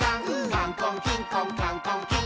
「カンコンキンコンカンコンキン！」